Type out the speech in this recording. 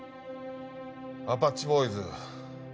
アパッチボーイズ